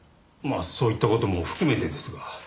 まあそういった事も含めてですが。